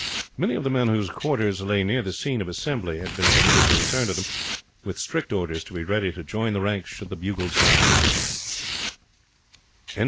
Many of the men whose quarters lay near the scene of assembly had been permitted to return to them, with strict orders to be ready to join the ranks should the bugle sound.